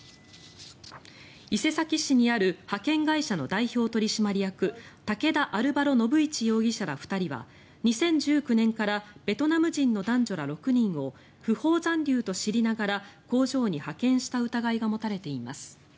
伊勢崎市にある派遣会社の代表取締役竹田・アルバロ・ノブイチ容疑者ら２人は２０１９年からベトナム人の男女ら６人を不法残留と知りながら工場に派遣した疑いが持たれています。